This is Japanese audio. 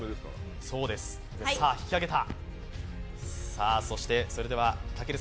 さあ、引き上げた。